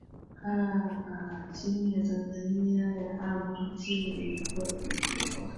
aa timu ya tanzania ya ama timu ilikuwa ikifungwa